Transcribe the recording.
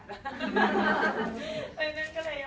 เพราะฉะนั้นก็เลยว่า